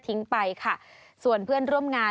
ไปค่ะส่วนเพื่อนร่วมงาน